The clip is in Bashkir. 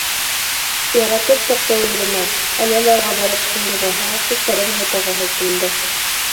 Яратып сыҡты ул иренә, әле лә уға барып һыйынғыһы, сәстәрен һыйпағыһы килде.